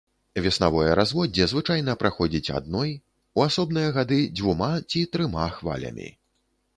Веснавое разводдзе звычайна праходзіць адной, у асобныя гады дзвюма ці трыма хвалямі.